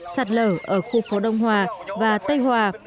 sạt lở ở khu phố đông hòa và tây hòa